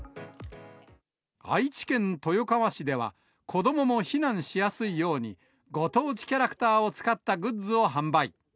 愛知県豊川市では、子どもも避難しやすいように、ご当地キャラクターを使ったグッズを販売。